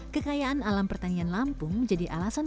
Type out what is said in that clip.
kekayaan alam pertanian lampung menjadi alasan